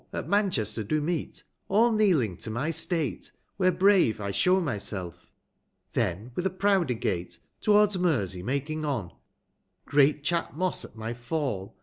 At Manchester do meet, all kneeling to my state, 35 Where brave I show myself ; then with a prouder gait, Tow'rds Mersey making on, great Cluifmosse at my fall.